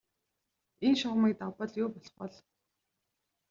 Энэ шугамыг давбал юу болох бол?